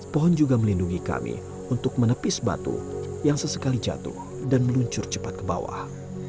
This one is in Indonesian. pohon juga melindungi kami untuk menepis batu yang sesekali jatuh dan meluncur cepat ke bawah